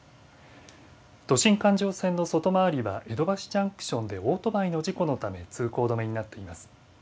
都心環状線の外回りは江戸橋ジャンクションでオートバイの事故のため、通行止めになっています。